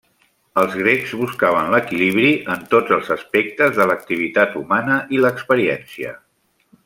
Els grecs buscaven l'equilibri en tots els aspectes de l'activitat humana i l'experiència.